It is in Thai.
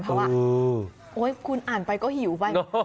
เพราะว่าคุณอ่านไปก็หิวไป